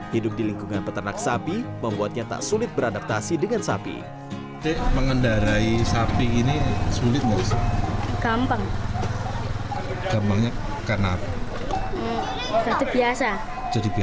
hidup di lingkungan peternak sapi membuatnya tak sulit beradaptasi dengan sapi